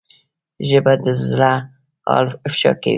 ژبه د زړه حال افشا کوي